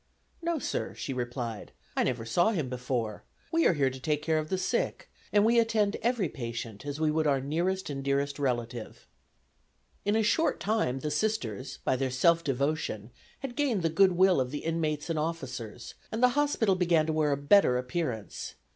"No, sir," she replied, "I never saw him before; we are here to take care of the sick, and we attend every patient as we would our nearest and dearest relative." In a short time the Sisters, by their self devotion, had gained the good will of the inmates and officers; and the hospital began to wear a better appearance.